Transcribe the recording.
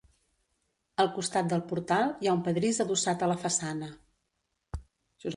Al costat del portal hi ha un pedrís adossat a la façana.